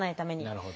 なるほど。